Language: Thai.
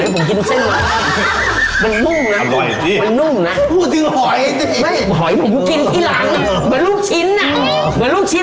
อร่อยสิพูดถึงหอยสิหอยหนูกินที่หลังเหมือนลูกชิ้นอ่ะเหมือนลูกชิ้น